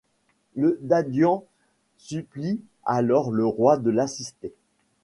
Le Dadian supplie alors le roi de l’assister.